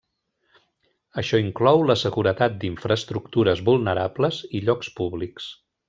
Això inclou la seguretat d'infraestructures vulnerables i llocs públics.